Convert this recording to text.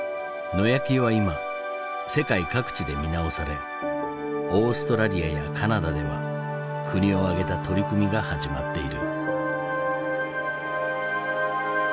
野焼きは今世界各地で見直されオーストラリアやカナダでは国を挙げた取り組みが始まっている。